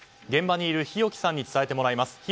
現場にいる日置さんに伝えてもらいます。